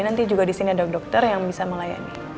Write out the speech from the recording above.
nanti juga disini ada dokter yang bisa melayani